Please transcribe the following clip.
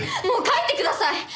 もう帰ってください！